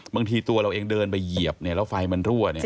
บางทีตัวเราเองเดินไปเหยียบแล้วไฟมันรั่ว